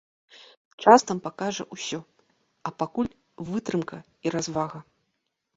Час нам пакажа ўсё, а пакуль вытрымка і развага.